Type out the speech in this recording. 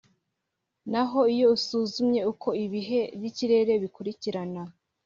naho iyo usuzumye uko ibihe by'ikirere bikurikirana,